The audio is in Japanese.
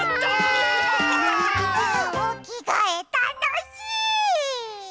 おきがえたのしい！